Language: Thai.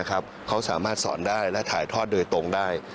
เขาสามารถสอนได้และถ่ายทอดโดยตรงได้